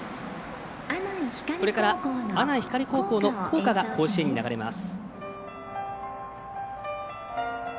これから、阿南光高校の校歌が甲子園に流れます。